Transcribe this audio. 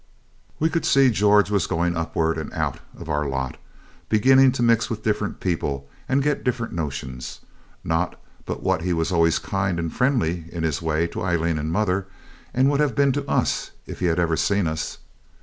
We could see George was going upwards and out of our lot, beginning to mix with different people and get different notions not but what he was always kind and friendly in his way to Aileen and mother, and would have been to us if he'd ever seen us.